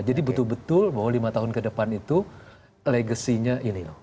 jadi betul betul bahwa lima tahun ke depan itu legasinya ini loh